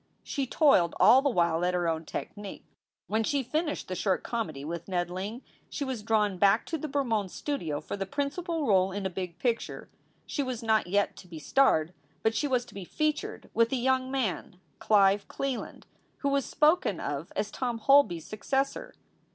She toiled all the while at her own technic. When she finished the short comedy with Ned Ling she was drawn back to the Bermond Studio for the principal role in a big picture. She was not yet to be starred, but she was to be "featured" with a young man, Clive Cleland, who was spoken of as Tom Holby s successor.